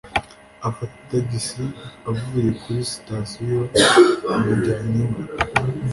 Afata tagisi avuye kuri sitasiyo amujyana iwe.